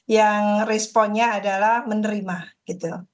yang responnya adalah menerima gitu